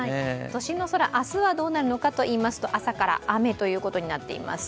都心の空、明日はどうなるのかといいますと、朝から雨ということになっています。